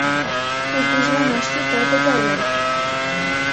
Тургыжланаш сита тыгайлан: